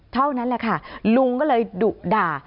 เท่านั้นแหละค่ะลุงก็เลยดุด่า